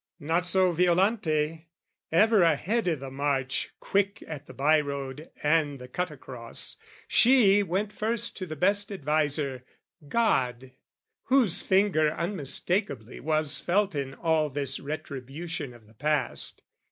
Not so Violante: ever a head i' the march, Quick at the bye road and the cut across, She went first to the best adviser, God Whose finger unmistakably was felt In all this retribution of the past.